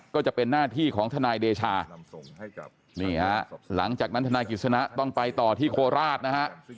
ก็จะเป็นหน้าที่ของทนายเดชานี่ฮะหลังจากนั้นทนายกิจสนะต้องไปต่อที่โคราชนะฮะ